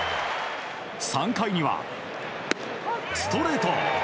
３回にはストレート。